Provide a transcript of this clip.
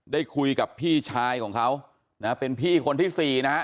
ได้คุยกับพี่ชายของเขานะเป็นพี่คนที่สี่นะฮะ